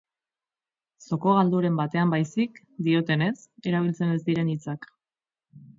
Zoko galduren batean baizik, diotenez, erabiltzen ez diren hitzak.